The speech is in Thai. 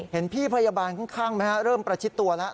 เห็นพี่พยาบาลข้างไหมฮะเริ่มประชิดตัวแล้ว